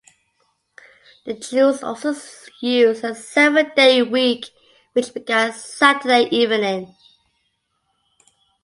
The Jews also used a seven-day week, which began Saturday evening.